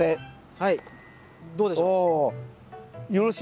はい。